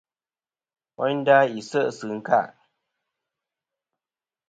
Woynda, yi se' sɨ ɨnka.